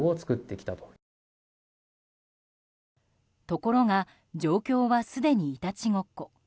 ところが状況はすでに、いたちごっこ。